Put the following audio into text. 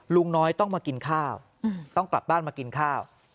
ลุงน้อยต้องมากินข้าวต้องกลับบ้านมากินข้าว